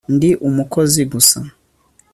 ndi umukozi gusa